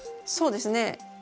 そうですね。